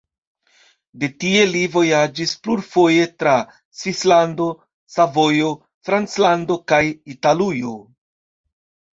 De tie li vojaĝis plurfoje tra Svislando, Savojo, Franclando kaj Italujo.